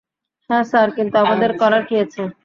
হ্যাঁঁ, স্যার কিন্তু আমাদের করার কী আছে?